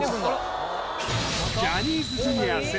ジャニーズＪｒ．７